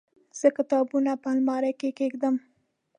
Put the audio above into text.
زه کتابونه په المارۍ کې کيږدم.